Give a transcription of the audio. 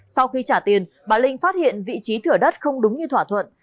sau khi trả tiền bà linh phát hiện vị trí thửa đất không đúng như thỏa thuận